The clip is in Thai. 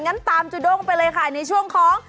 งั้นตามจุด้งไปเลยค่ะในช่วงของ